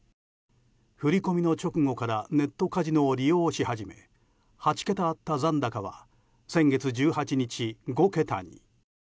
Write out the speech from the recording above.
振り込みの直後からネットカジノを利用し始め８桁あった残高は先月１８日、５桁に。